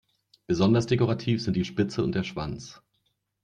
Besonders dekorativ sind die Spitze und der Schwanz.